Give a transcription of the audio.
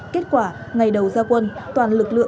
kết quả ngày đầu gia quân